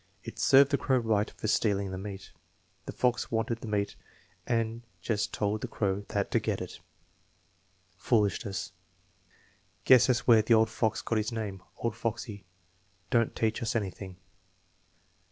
"It served the crow right for stealing the meat." "The fox wanted the meat and just told the crow that to get it." "Fool ishness." "Guess that's where the old fox got his name 'Old Foxy' Don't teach us anything."